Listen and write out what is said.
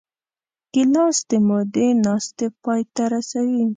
ګیلاس د مودې ناستې پای ته رسوي.